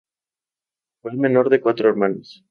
Fue el menor de cuatro hermanos.